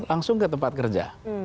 langsung ke tempat kerja